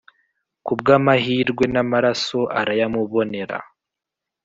kubw’amahirwe namaraso arayamubonera